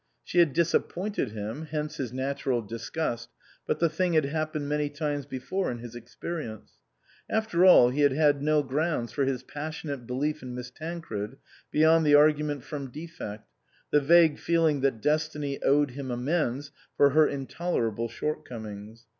She had disappointed him (hence his natural disgust) ; but the thing had happened many times before in his experience. After all, he had had no grounds for his passionate belief in Miss Tancred beyond the argument from defect, the vague feeling that Destiny owed him amends for her intolerable shortcomings.